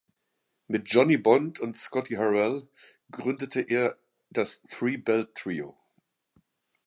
Mit Johnny Bond und Scotty Harrell gründete er das Three Bell Trio.